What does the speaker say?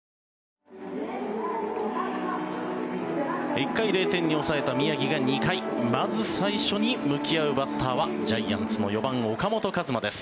１回、０点に抑えた宮城が２回、まず最初に向き合うバッターはジャイアンツの４番岡本和真です。